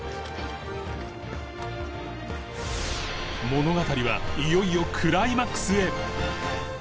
物語はいよいよクライマックスへ！